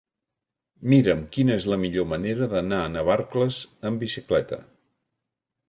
Mira'm quina és la millor manera d'anar a Navarcles amb bicicleta.